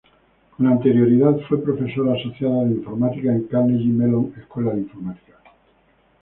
Con anterioridad, fue profesora asociada de informática en Carnegie Mellon Escuela de Informática.